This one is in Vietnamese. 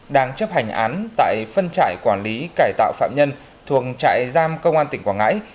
đang chấp hành án tại phân trại quản lý cải tạo phạm nhân thuộc trại giam công an tỉnh quảng ngãi